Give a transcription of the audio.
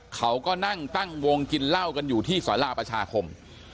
เขาก็นั่งตั้งวงกินเหล้ากันอยู่ที่สาราประชาคม